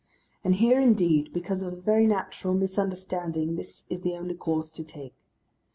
And here, indeed, because of a very natural misunderstanding this is the only course to take.